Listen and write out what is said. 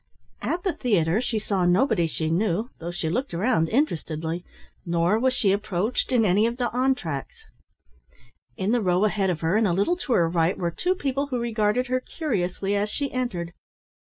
At the theatre she saw nobody she knew, though she looked round interestedly, nor was she approached in any of the entr'actes. In the row ahead of her, and a little to her right, were two people who regarded her curiously as she entered.